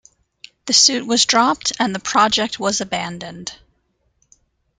The suit was dropped and the project was abandoned.